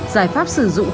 giải pháp sử dụng